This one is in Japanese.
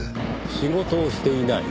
仕事をしていない？